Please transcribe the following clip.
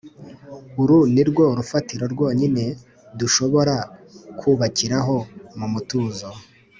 uru nirwo rufatiro rwonyine dushobora kubakiraho mu mutuzo